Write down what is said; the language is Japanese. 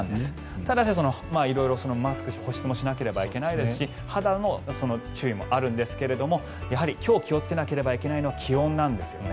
ただし、色々マスクをして保湿もしなければいけないですし肌の注意もあるんですがやはり、今日気をつけなければいけないのは気温なんですよね。